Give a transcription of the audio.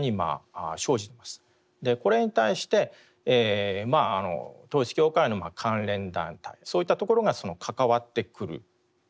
これに対して統一教会の関連団体そういったところが関わってくるんですね。